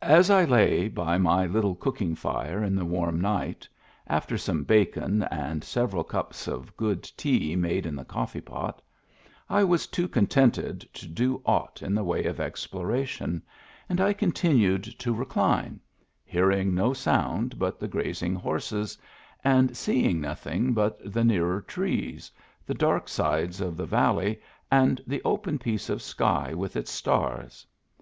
As I lay by my little cooking fire in the warm night, after some bacon and several cups of good tea made in the coffee pot, I was too contented to do aught in the way of exploration, and I con tinued to recline, hearing no sound but the graz ing horses, and seeing nothing but the nearer trees, the dark sides of the valley, and the open piece of sky with its stars.